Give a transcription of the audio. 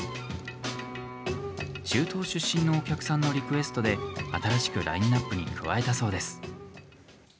中東出身のお客さんのリクエストで新しくラインナップに加えたそうです。